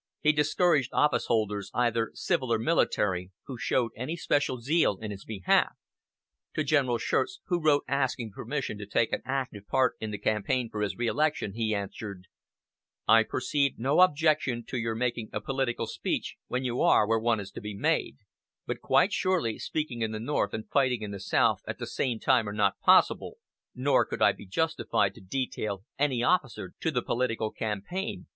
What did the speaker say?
He discouraged officeholders, either civil or military, who showed any special zeal in his behalf. To General Schurz, who wrote asking permission to take an active part in the campaign for his reelection, he answered: "I perceive no objection to your making a political speech when you are where one is to be made; but quite surely, speaking in the North and fighting in the South at the same time are not possible, nor could I be justified to detail any officer to the political campaign...